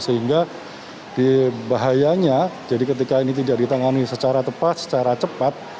sehingga bahayanya jadi ketika ini tidak ditangani secara tepat secara cepat